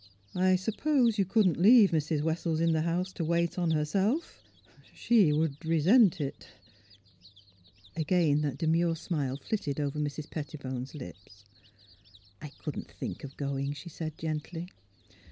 I suppose you couldn't leave Mrs. Wessels in the house to wait on herself? She would — ah — resent it." Again that demure smile flitted over Mrs. Pettibone's lips. THE HIDDEN PICTURE << I couldn't think of going," she said, gently.